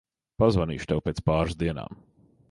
Pazvanīšu tev pēc pāris dienām.